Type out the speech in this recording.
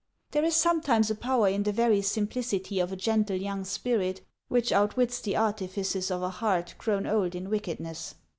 There is sometimes a power in the very simplicity of a gentle young spirit which outwits the artitices of a heart grown old in wickedness.